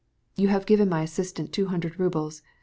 "You gave my assistant two hundred roubles.